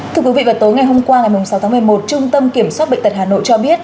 thưa quý vị vào tối ngày hôm qua ngày sáu tháng một mươi một trung tâm kiểm soát bệnh tật hà nội cho biết